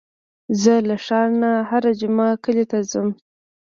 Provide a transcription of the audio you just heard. زه له ښار نه هره جمعه کلي ته ځم.